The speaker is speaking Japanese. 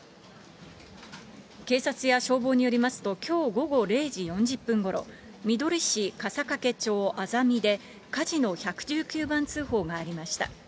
警察や消防によりますと、きょう午後０時４０分ごろ、みどり市笠懸町阿左美で火事の１１９番通報がありました。